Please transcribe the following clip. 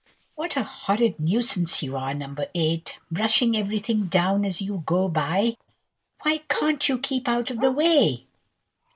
"WHAT a horrid nuisance you are, No. 8, brushing everything down as you go by! Why can't you keep out of the way?"